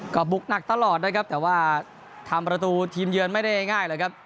ก็บุกหนักตลอดนะครับแต่ว่าทำประตูทีมเยือนไม่ได้ง่ายเลยครับ